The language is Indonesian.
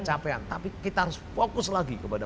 capaian tapi kita harus fokus lagi kepada